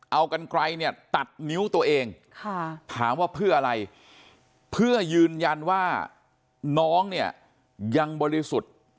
เอากันไกลเนี่ยตัดนิ้วตัวเองถามว่าเพื่ออะไรเพื่อยืนยันว่าน้องเนี่ยยังบริสุทธิ์